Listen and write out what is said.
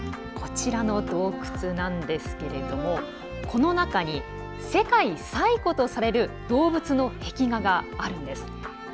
こちらの洞窟なんですけれどもこの中に世界最古とされる動物の壁画があるんです。